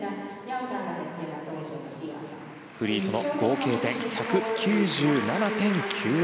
フリーとの合計点１９７．９０。